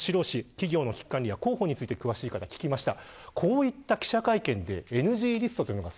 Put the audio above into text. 企業の危機管理や広報について詳しい方に聞きました。